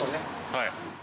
はい。